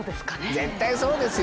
絶対そうですよ。